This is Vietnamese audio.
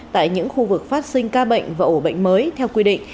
tại những khu vực phát sinh ca bệnh và ổ bệnh mới theo quy định